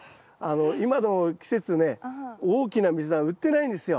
今の季節ね大きなミズナ売ってないんですよ。